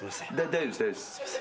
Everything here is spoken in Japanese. すいません。